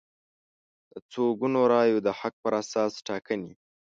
د څو ګونو رایو د حق پر اساس ټاکنې